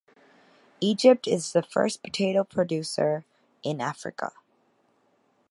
Egypt is the first potato producer in Africa.